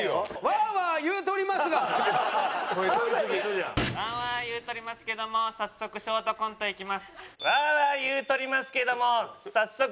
ワーワー言うとりますけども早速ショートコントいきます。